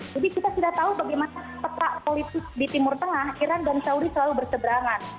jadi kita tidak tahu bagaimana tetap politik di timur tengah iran dan saudi selalu berseberangan